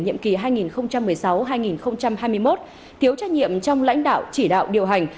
nhiệm kỳ hai nghìn một mươi sáu hai nghìn hai mươi một thiếu trách nhiệm trong lãnh đạo chỉ đạo điều hành